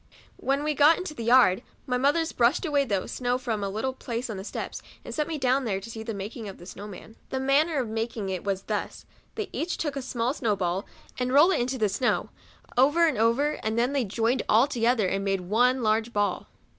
When we got into the yard, my mothers brushed away the COUNTRY DOLL. 51 snow from off a little place on the steps, and set me down there to see the making of the snow man. The manner of making it was thus :— They each took a small snow ball and rolled it in the snow, over and over, and then they joined all together and made one large ball.